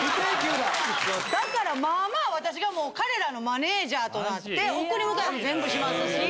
だからまあまあ私がもう彼らのマネジャーとなって送り迎えも全部しますし。